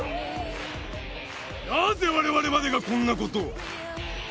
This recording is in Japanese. なぜわれわれまでがこんなことを。